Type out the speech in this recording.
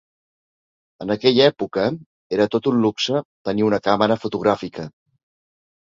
En aquella època era tot un luxe tenir una càmera fotogràfica.